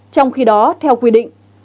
trong khi đó theo quy định